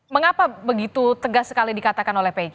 mengapa begitu tegas sekali dikatakan oleh pj